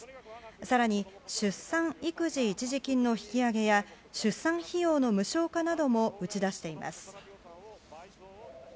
更に、出産育児一時金の引き上げや出産費用の無償化なども打ち出しています。